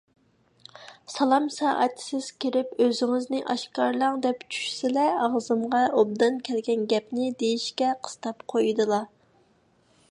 سالام سائەتسىز كىرىپ «ئۆزىڭىزنى ئاشكارىلاڭ» دەپ چۈشسىلە ئاغزىمغا ئوبدان كەلگەن گەپنى دېيىشكە قىستاپ قويىدىلا.